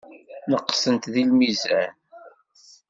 Neqsent deg lmizan.